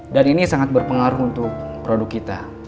dan ini sangat berpengaruh untuk produk kita